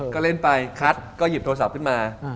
ก็เล่นไปคัดก็หยิบโทรศัพท์ขึ้นมา